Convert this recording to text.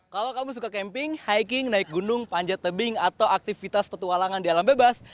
kalau kamu suka camping hiking naik gunung panjat tebing atau aktivitas petualangan di alam bebas